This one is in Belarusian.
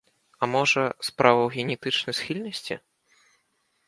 А можа, справа ў генетычнай схільнасці?